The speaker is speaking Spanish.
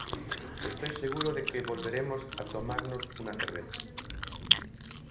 estoy seguro de que volveremos a tomarnos una cerveza